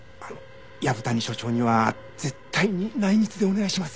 藪谷所長には絶対に内密でお願いします。